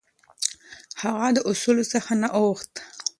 هغه د اصولو څخه نه اوښت.